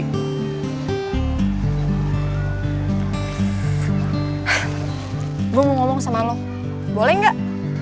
gue mau ngomong sama lu boleh gak